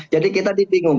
jadi kita dipinggung